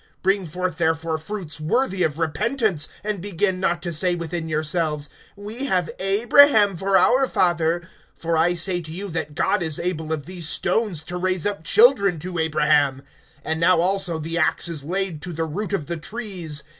(8)Bring forth therefore fruits worthy of repentance; and begin not to say within yourselves, We have Abraham for our father; for I say to you, that God is able of these stones to raise up children to Abraham. (9)And now also the axe is laid to the root of the trees.